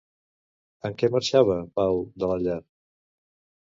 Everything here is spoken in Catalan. Amb què marxava Pau de la llar?